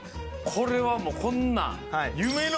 これはもうこんなん。